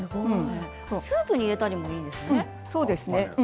スープに入れたりもいいんですね。